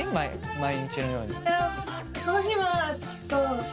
毎日のように。